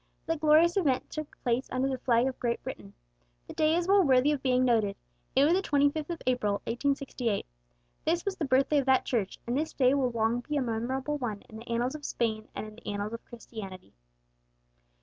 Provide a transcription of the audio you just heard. That glorious event took place under the flag of Great Britain. The day is well worthy of being noted; it was the 25th of April 1868. This was the birthday of that Church, and this day will long be a memorable one in the annals of Spain and in the annals of Christianity."